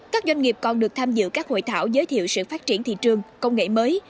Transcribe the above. các doanh nghiệp còn được tham dự các hội thảo giới thiệu sự phát triển thị trường công nghệ mới